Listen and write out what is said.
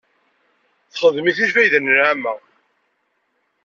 Texdem-it i lfayda n lɛamma.